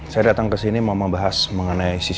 saya datang kesini mau membahas mengenai cctv yang tante lihat